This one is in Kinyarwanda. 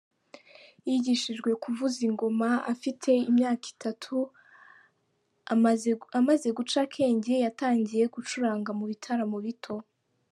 Yigishijwe kuvuza ingoma afite imyaka itatu, amaze guca akenge yatangiye gucuranga mu bitaramo bito.